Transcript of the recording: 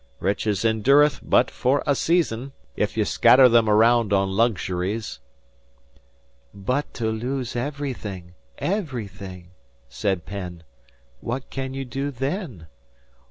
Riches endureth but for a season, ef you scatter them araound on lugsuries " "But to lose everything, everything," said Penn. "What can you do then?